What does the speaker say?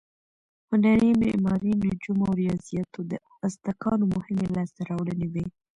هنر، معماري، نجوم او ریاضیاتو د ازتکانو مهمې لاسته راوړنې وې.